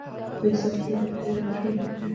د احصایې اداره شمیرنې کوي